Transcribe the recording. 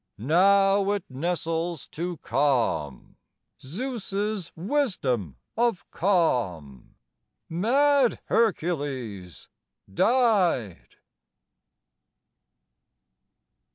Now it nestles to calm, Zeus's wisdom of calm, Mad Hercules died!